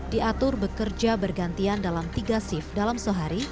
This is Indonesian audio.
diatur bekerja bergantian dalam tiga shift dalam sehari